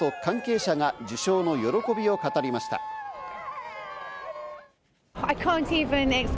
授賞式の後、関係者が受賞の喜びを語りました。